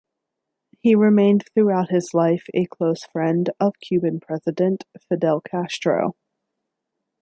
He remained throughout his life a close friend of Cuban president Fidel Castro.